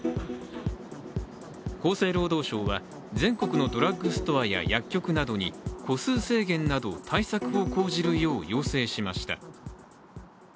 厚生労働省は全国のドラッグストアや薬局などに個数制限など対策を講じるよう要請しました。